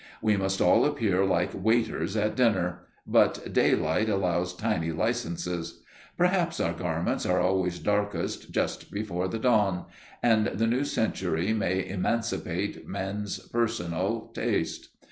We must all appear like waiters at dinner, but daylight allows tiny licences. Perhaps our garments are always darkest just before dawn, and the new century may emancipate men's personal taste.